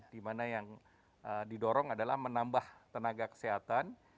dimana yang didorong adalah menambah tenaga kesehatan